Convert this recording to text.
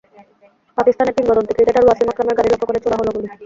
পাকিস্তানের কিংবদন্তি ক্রিকেটার ওয়াসিম আকরামের গাড়ি লক্ষ্য করে ছোড়া হলো গুলি।